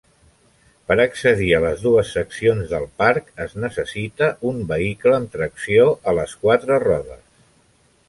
Per accedit a les dues seccions del parc es necessita un vehicle amb tracció a les quatre rodes.